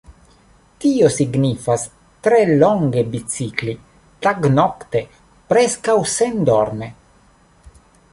Tio signifas tre longe bicikli, tagnokte, preskaŭ sendorme.